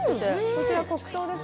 こちら黒糖です。